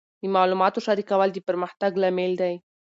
د معلوماتو شریکول د پرمختګ لامل دی.